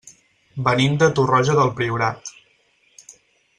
Venim de Torroja del Priorat.